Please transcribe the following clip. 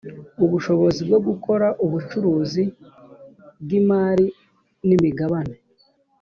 ubushobozi bwo gukora ubucuruzi bw imari n imigabane